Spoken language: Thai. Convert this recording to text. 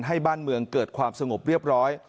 ให้บ้านเมืองเกิดความสงบเรียบร้อย